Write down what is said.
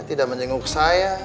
tidak menjenguk saya